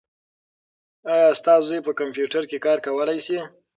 ایا ستا زوی په کمپیوټر کې کار کولای شي؟